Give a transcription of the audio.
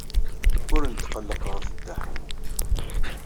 Ur netqelleq ɣef Dda Ḥemmu.